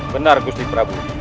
benar gusti prabu